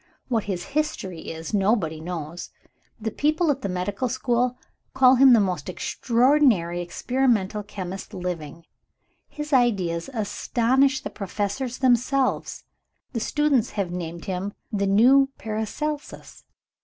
What his history is, nobody knows. The people at the medical school call him the most extraordinary experimental chemist living. His ideas astonish the Professors themselves. The students have named him 'The new Paracelsus.'